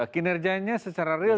kinerjanya secara real